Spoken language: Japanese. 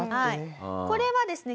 これはですね